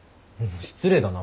失礼だな。